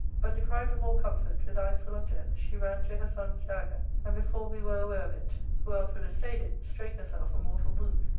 But^ deprived of all comfort, with eyes full of death, she ran to her ^on's dagger, and, before we were aware of it, who else would have stayed it, strake herself a mortal wound.